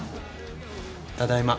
ただいま。